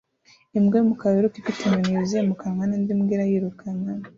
Imbwa y'umukara yiruka ifite inyoni yuzuye mu kanwa n'indi mbwa irayirukana